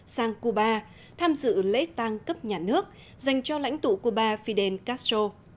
sang cuba tham dự lễ tăng cấp nhà nước dành cho lãnh tụ cuba fidel castro